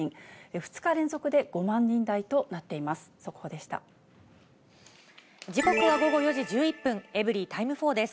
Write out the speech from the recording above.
２日連続で５万人台となっています。